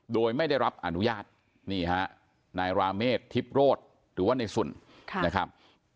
โดยไม่ได้รับอนุญาตนี่ฮะนายราเมฆทิพย์โรธหรือว่าในสุนนะครับ